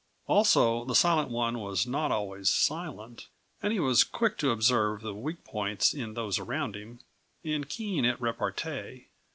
Also, the Silent One was not always silent, and he was quick to observe the weak points in those around him, and keen at repartee.